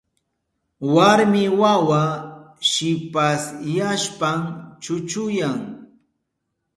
Warmi wawa shipasyashpan chuchuyan.